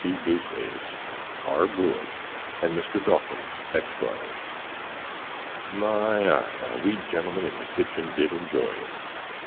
P. Deuceace, R. Blewitt, and Mr. Dawkins, Exquires. My i, how we genlmn in the kitchin did enjy it!